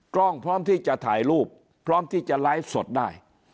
พร้อมที่จะถ่ายรูปพร้อมที่จะไลฟ์สดได้